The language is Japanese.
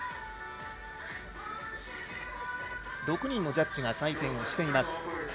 ６人のジャッジが採点をしています。